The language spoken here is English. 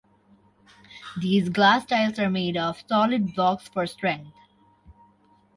These glass tiles are made of solid blocks for strength.